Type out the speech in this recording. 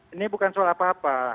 ini bukan soal apa apa